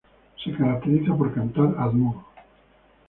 Se caracteriza por cantar a dúo.